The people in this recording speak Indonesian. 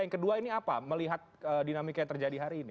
yang kedua ini apa melihat dinamika yang terjadi hari ini